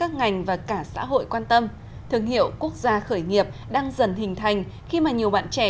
các ngành và cả xã hội quan tâm thương hiệu quốc gia khởi nghiệp đang dần hình thành khi mà nhiều bạn trẻ